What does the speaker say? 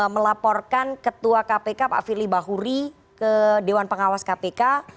melaporkan ketua kpk pak firly bahuri ke dewan pengawas kpk